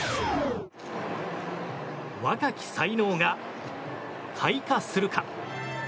若き才能が開花するか？